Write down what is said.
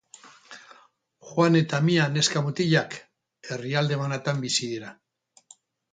Juan eta Mia neska-mutilak herrialde banatan bizi dira.